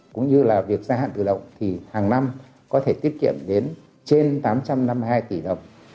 cũng như là việc gia hạn tự động thì hàng năm có thể tiết kiệm đến trên tám trăm năm mươi hai tỷ đồng